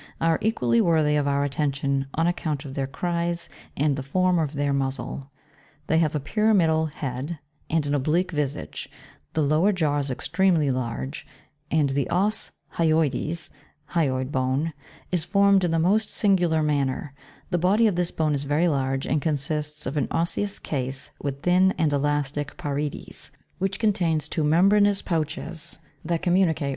9.) are equally worthy of our attention on account of their cries and the form of their muzzle; they have a pyramidal head, and an oblique visage, the lower jaw is extremely large, and the Os hyoides (hyoid bone) is formed in the most singular manner ; the body of this bone is very large, and consists of an osseous case with thin and elastic parietes, which contains two membranous pouches that communicate 20.